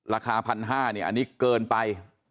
ราคา๑๕๐๐บาทเนี่ยอันนี้เกินไป